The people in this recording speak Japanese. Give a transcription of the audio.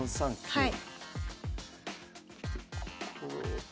はい。